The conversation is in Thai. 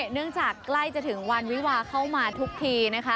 เนื่องจากใกล้จะถึงวันวิวาเข้ามาทุกทีนะคะ